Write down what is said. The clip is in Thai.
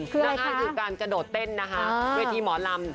นั่นก็คือการกระโดดเต้นนะคะเวทีหมอลำ